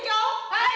はい！